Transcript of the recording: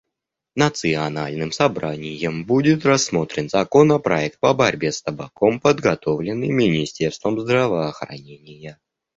Национальным собранием будет рассмотрен законопроект по борьбе с табаком, подготовленный министерством здравоохранения.